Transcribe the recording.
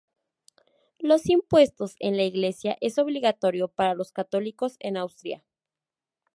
Los Impuestos en la Iglesia es obligatorio para los católicos en Austria.